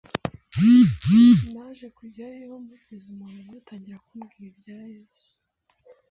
naje kujyayo mpageze, umuntu umwe atangira kumbwira ibya Yesu,